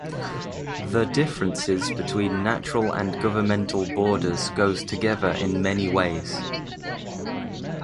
The differences between natural and governmental borders goes together in many ways.